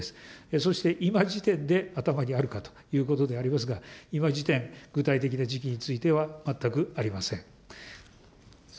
そして今時点で、頭にあるかということですが、今時点、具体的な時期については全くありません。